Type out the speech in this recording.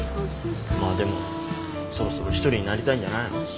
まあでもそろそろ一人になりたいんじゃないの？